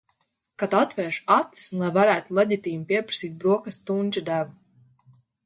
Kad atvēršu acis, lai varētu leģitīmi pieprasīt brokastu tunča devu.